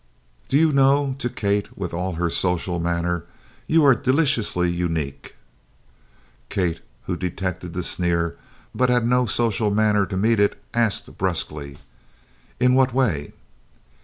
"Do you know " to Kate, with all her social manner "you are deliciously unique?" Kate, who detected the sneer, but had no social manner to meet it, asked brusquely: "In what way?"